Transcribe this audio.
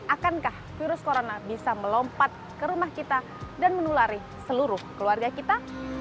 akankah virus corona bisa melompat ke rumah kita dan menulari seluruh keluarga kita